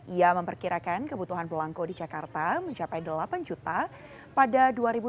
ia memperkirakan kebutuhan belangko di jakarta mencapai delapan juta pada dua ribu dua puluh